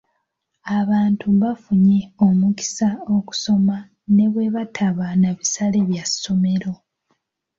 Abantu bafunye omukisa okusoma ne bwe bataba na bisale bya ssomero.